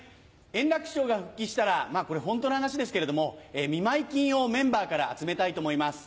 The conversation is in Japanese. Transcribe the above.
円楽師匠が復帰したらまぁこれホントの話ですけれども見舞金をメンバーから集めたいと思います。